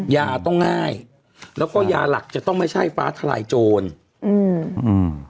ยาต้องง่ายแล้วก็ยาหลักจะต้องไม่ใช่ฟ้าทลายโจรอืมอืม